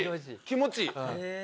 気持ちいいへえ